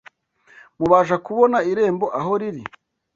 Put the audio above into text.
mubasha kubona irembo aho riri